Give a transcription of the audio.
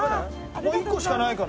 もう１個しかないから。